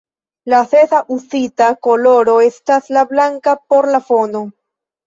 La sesa uzita koloro estas la blanka por la fono.